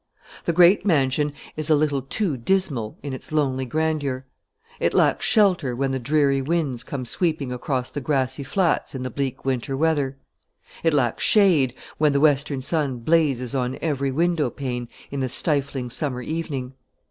The great mansion is a little too dismal in its lonely grandeur: it lacks shelter when the dreary winds come sweeping across the grassy flats in the bleak winter weather; it lacks shade when the western sun blazes on every window pane in the stifling summer evening.